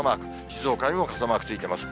静岡にも傘マークついてます。